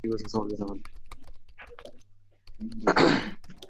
– Biz kimgadir nikoh o‘qiyapmiz